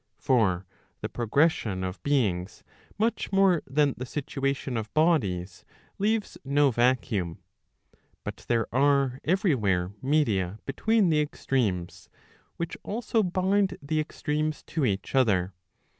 For the progression of beings much more than the situation of bodies, leaves no vacuum; but there are every where media between the extremes, which also bind the extremes to each other.